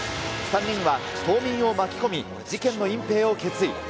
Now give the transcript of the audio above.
３人は島民を巻き込み、事件の隠蔽を決意。